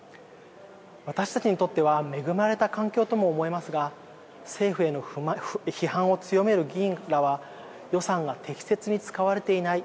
私たちにとっては恵まれた環境とも思えますが政府への批判を強める議員らは予算が適切に使われていない。